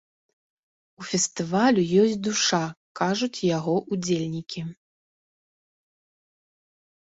У фестывалю ёсць душа, кажуць яго ўдзельнікі.